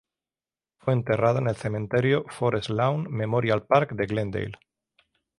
Fue enterrada en el Cementerio Forest Lawn Memorial Park de Glendale.